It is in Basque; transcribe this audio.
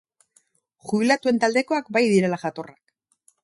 Jubilatuen taldekoak bai direla jatorrak!